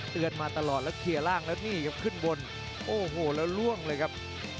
มาตลอดแล้วเคลียร์ร่างแล้วนี่ครับขึ้นบนโอ้โหแล้วล่วงเลยครับ